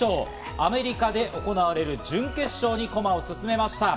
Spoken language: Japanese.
アメリカで行われる準決勝に駒を進めました。